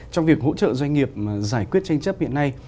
trong việc hỗ trợ doanh nghiệp giải quyết tranh chấp hiện nay